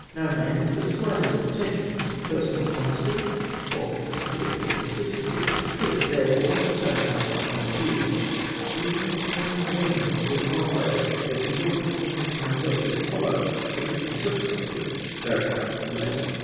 No man with the slightest pretensions to personal honesty or political consistency could, therefore, have decided otherwise than I did, even with the kind warning of Lord Mul grave, that evil consequences to myself would follow — a prediction subsequently verified to the letter.